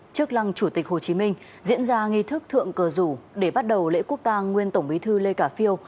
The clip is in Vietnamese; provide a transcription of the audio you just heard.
trước lăng chủ tịch hồ chí minh diễn ra nghi thức thượng cờ rủ để bắt đầu lễ quốc cang nguyên tổng bí thư lê khả phiêu